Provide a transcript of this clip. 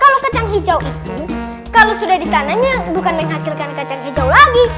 kalau kacang hijau itu kalau sudah di kanannya bukan menghasilkan kacang hijau lagi